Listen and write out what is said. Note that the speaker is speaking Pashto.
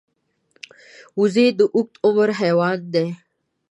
وزې د اوږد عمر حیوان دی